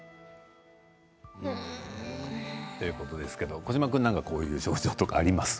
児嶋君、何かこういう症状とかありますか？